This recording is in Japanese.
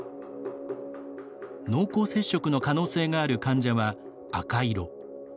濃厚接触の可能性がある患者は赤色。